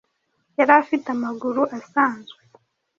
yari afite amaguru asanzwe,